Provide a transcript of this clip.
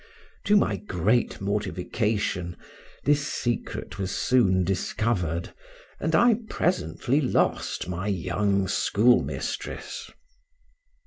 To my great mortification, this secret was soon discovered, and I presently lost my young schoolmistress.